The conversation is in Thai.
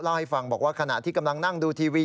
ให้ฟังบอกว่าขณะที่กำลังนั่งดูทีวี